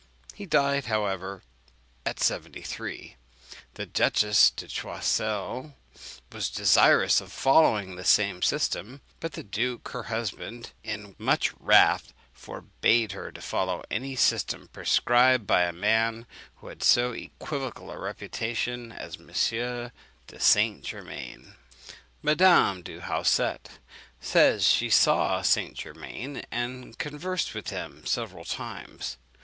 He died, however, at seventy three. The Duchess de Choiseul was desirous of following the same system, but the duke her husband in much wrath forbade her to follow any system prescribed by a man who had so equivocal a reputation as M. de St. Germain. Madame du Hausset says she saw St. Germain and conversed with him several times.